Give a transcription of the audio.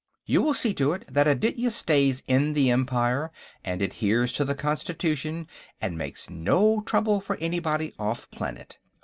You will see to it that Aditya stays in the empire and adheres to the Constitution and makes no trouble for anybody off planet.